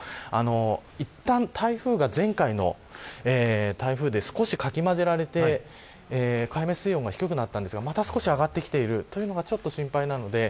いったん、海水が前回の台風で少しかき混ぜられて海面水温が低くなったんですがまた上がってきているのが心配です。